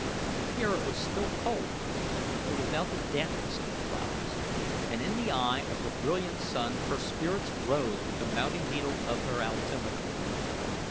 Here it was still cold, but without the dampness of the clouds, and in the eye of the brilliant sun her spirits rose with the mounting needle of her altimeter.